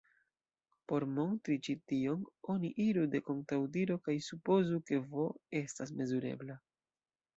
Por montri ĉi tion, oni iru de kontraŭdiro kaj supozu ke "V" estas mezurebla.